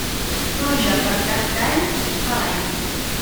Pluja per Cap d'any, mal any.